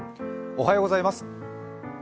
おはようございます。